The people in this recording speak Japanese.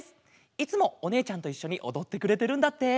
いつもおねえちゃんといっしょにおどってくれてるんだって。